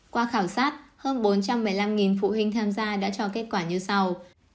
qua khảo sát hơn bốn trăm một mươi năm phụ huynh tham gia đã cho kết quả như sau